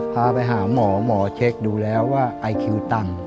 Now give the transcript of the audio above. พาไปหาหมอเช็คดูแลวว่าไอคิวตั้ง